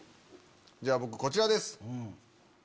じゃあ僕こちらです。